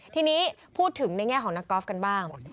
ทีนี้พูดถึงในแง่ของนักกอล์ฟกันบ้าง